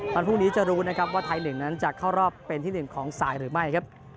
วันพรุ่งนี้จะรู้นะครับว่าไทย๑นั้นจะเข้ารอบเป็นที่๑ของสายหรือไม่ครับ